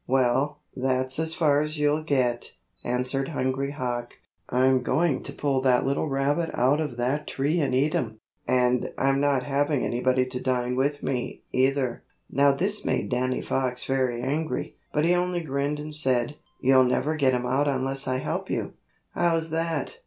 "Well, that's as far as you'll get," answered Hungry Hawk. "I'm going to pull that little rabbit out of that tree and eat him, and I'm not inviting anybody to dine with me, either." Now this made Danny Fox very angry, but he only grinned and said: "You'll never get him out unless I help you." "How's that?"